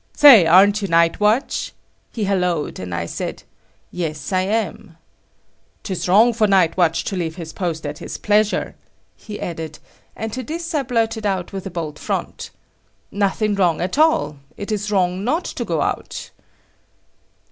"Say, aren't you night watch?" he hallooed, and I said "Yes, I am." "Tis wrong for night watch to leave his post at his pleasure," he added, and to this I blurted out with a bold front; "Nothing wrong at all. It is wrong not to go out."